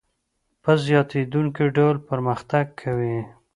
په زیاتېدونکي ډول پرمختګ کوي